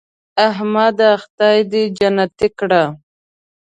احمده خدای دې جنتې کړه .